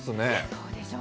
そうでしょう。